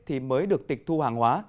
thì mới được tịch thu hàng hóa